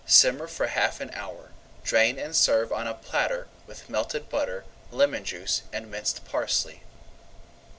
Simmer for half an hour; drain and serve on a platter with melted butter, lemon juice, and minced parsley.